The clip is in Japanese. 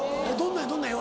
どんなや？